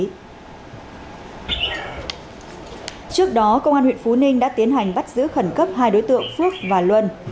trước đó công an huyện phú ninh đã tiến hành bắt giữ khẩn cấp hai đối tượng phước và luân